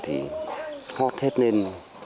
thì hót hết lên